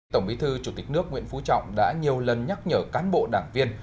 tổng bí thư chủ tịch nước nguyễn phú trọng đã nhiều lần nhắc nhở cán bộ đảng viên